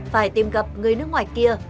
phải tìm gặp người nước ngoài kia